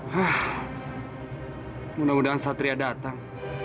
hah mudah mudahan satria datang